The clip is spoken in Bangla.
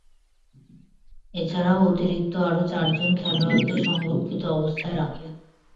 এছাড়াও অতিরিক্ত আরও চারজন খেলোয়াড়কে সংরক্ষিত অবস্থায় রাখে।